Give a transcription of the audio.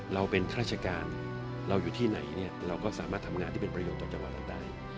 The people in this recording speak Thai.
เราเป็นข้าราชการเราอยู่ที่ไหนเนี่ยเราก็สามารถทำงานที่เป็นประโยชนต่อจังหวัดนั้นได้